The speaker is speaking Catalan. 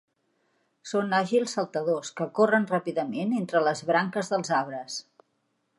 Són àgils saltadors, que corren ràpidament entre les branques dels arbres.